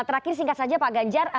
terakhir singkat saja pak ganjar